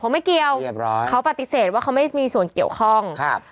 เขาไม่เกี่ยวเรียบร้อยเขาปฏิเสธว่าเขาไม่มีส่วนเกี่ยวข้องครับ